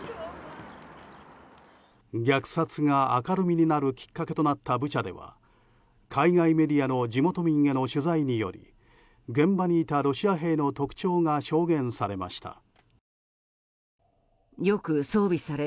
虐殺が明るみになるきっかけとなったブチャでは海外メディアの地元民への取材により現場にいたロシア兵の特徴が証言されました。